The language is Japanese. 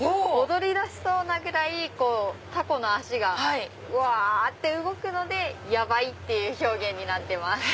躍りだしそうなぐらいタコの足がぐわって動くので「ヤバイ」って表現になってます。